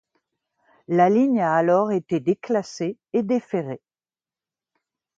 La ligne a alors été déclassée et déferrée.